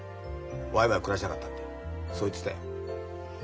ワイワイ暮らしたかったってそう言ってたよ。